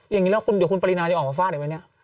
อย่างนี้แล้วเดี๋ยวคุณปรินาจะออกมาฟาดอีกไหมเนี่ย